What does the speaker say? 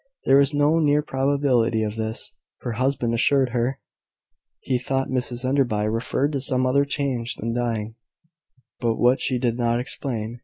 There was no near probability of this, her husband assured her. He thought Mrs Enderby referred to some other change than dying; but what, she did not explain.